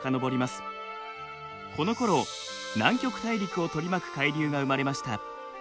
このころ南極大陸を取り巻く海流が生まれました。